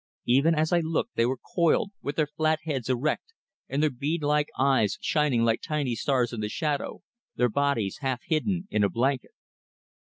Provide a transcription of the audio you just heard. Even as I looked they were coiled, with their flat heads erect and their bead like eyes shining like tiny stars in the shadow, their bodies half hidden in a blanket.